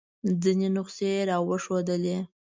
ځینې نسخې یې را وښودلې.